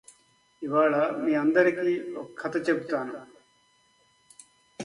ఇవాళ మీ అందరికి ఒక కథ చెపుతాను